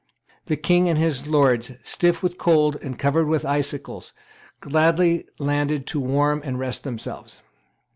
The King and his Lords, stiff with cold and covered with icicles, gladly landed to warm and rest themselves.